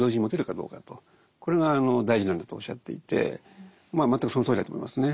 これが大事なんだとおっしゃっていて全くそのとおりだと思いますね。